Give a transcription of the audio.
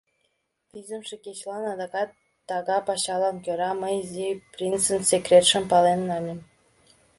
Визымше кечылан, адакат тага пачалан кӧра, мый Изи принцын секретшым пален нальым.